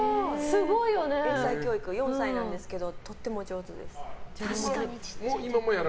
英才教育、４歳なんですけどとっても上手です。